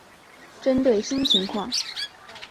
针对新情况